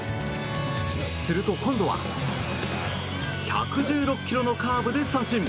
すると、今度は１１６キロのカーブで三振。